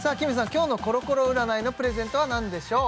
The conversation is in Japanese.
今日のコロコロ占いのプレゼントは何でしょう？